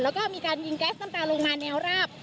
แล้วก็มีการยิงแก๊สน้ำตาลงมาแนวราบ